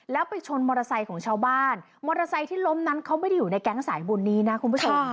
แล้วไปชนมอเตอร์ไซค์ของชาวบ้านมอเตอร์ไซค์ที่ล้มนั้นเขาไม่ได้อยู่ในแก๊งสายบุญนี้นะคุณผู้ชม